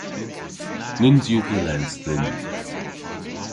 Nyns yw dhe les dhyn.